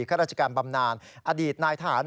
ข้าราชการบำนานอดีตนายทหาร